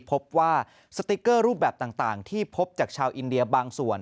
พบว่าสติ๊กเกอร์รูปแบบต่างที่พบจากชาวอินเดียบางส่วน